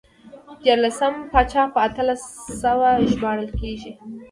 دیارلسم پاچا په اتلس سوی ژباړل کېږي.